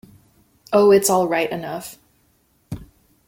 Oh, it's all right enough!